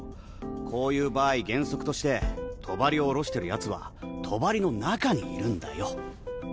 こういう場合原則として帳を下ろしてるヤツは帳の中にいるんだよ。